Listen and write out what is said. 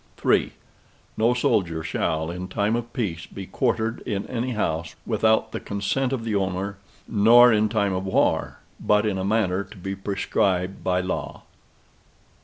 III No soldier shall, in time of peace be quartered in any house, without the consent of the owner, nor in time of war, but in a manner to be prescribed by law.